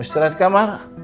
istirahat di kamar